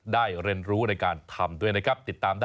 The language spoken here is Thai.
ได้เรียนรู้ในการทำด้วยนะครับ